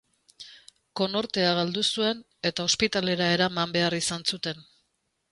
Konortea galdu zuen eta ospitalera eraman behar izan zuten.